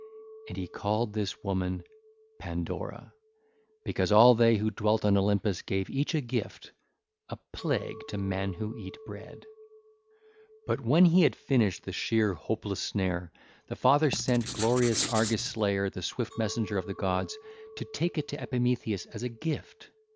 And he called this woman Pandora 1302, because all they who dwelt on Olympus gave each a gift, a plague to men who eat bread. (ll. 83 89) But when he had finished the sheer, hopeless snare, the Father sent glorious Argos Slayer, the swift messenger of the gods, to take it to Epimetheus as a gift.